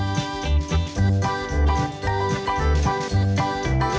เวล